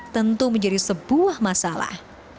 tentu menjadi sebuah masalah